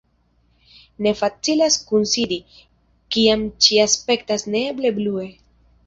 Ne facilas kunsidi, kiam ĉio aspektas neeble blue.